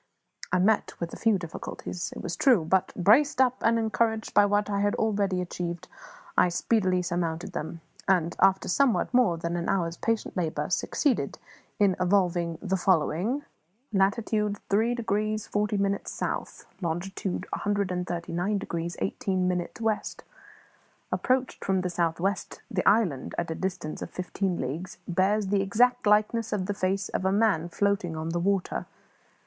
I met with a few difficulties, it was true; but, braced up and encouraged by what I had already achieved, I speedily surmounted them, and, after somewhat more than an hour's patient labour, succeeded in evolving the following: "Latitude 3 degrees 40 minutes South; longitude 139 degrees 18 minutes West. Approached from the south west the island, at a distance of fifteen leagues, bears the exact likeness of the face of a man floating on the water.